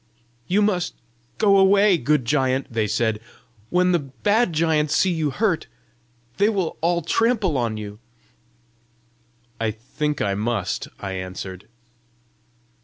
"You must go away, good giant," they said. "When the bad giants see you hurt, they will all trample on you." "I think I must," I answered.